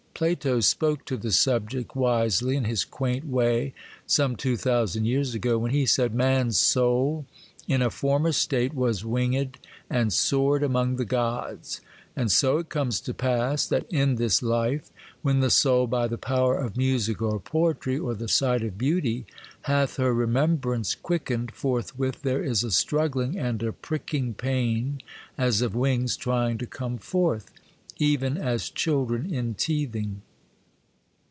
Plato spoke to the subject wisely, in his quaint way, some two thousand years ago, when he said, 'Man's soul, in a former state, was winged and soared among the gods; and so it comes to pass, that, in this life, when the soul, by the power of music or poetry, or the sight of beauty, hath her remembrance quickened, forthwith there is a struggling and a pricking pain as of wings trying to come forth,—even as children in teething.